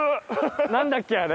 なんだっけあれ？